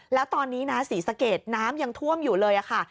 แล้วตอนนี้นะศรีสะเกดน้ำยังท่วมอยู่เลยค่ะ